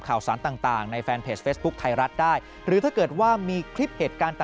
ข่าวสารต่างต่างในแฟนเพจเฟซบุ๊คไทยรัฐได้หรือถ้าเกิดว่ามีคลิปเหตุการณ์ต่าง